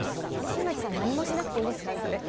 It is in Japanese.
新町さん何もしなくていいですからえっ？